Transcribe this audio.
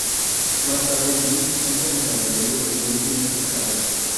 Más tarde, Jim entra en el laberinto y Will tiene que sacarlo.